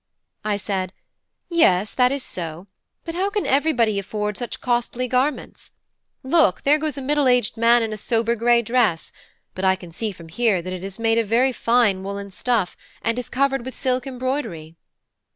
I said, "Yes, that is so; but how can everybody afford such costly garments? Look! there goes a middle aged man in a sober grey dress; but I can see from here that it is made of very fine woollen stuff, and is covered with silk embroidery."